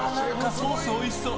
ソースおいしそう。